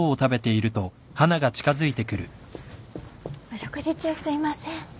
お食事中すいません。